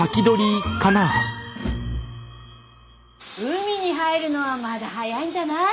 海に入るのはまだ早いんじゃない？